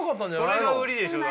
それが売りでしょだって。